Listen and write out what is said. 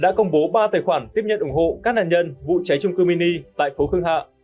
đã công bố ba tài khoản tiếp nhận ủng hộ các nạn nhân vụ cháy trung cư mini tại phố khương hạ